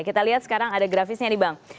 kita lihat sekarang ada grafisnya nih bang